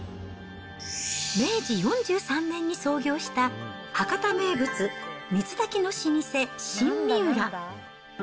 明治４３年に創業した、博多名物、水炊きの老舗、新三浦。